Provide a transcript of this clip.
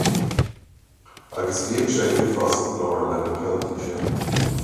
Agus bhíodh sé uafásach glórach le na pointí sin.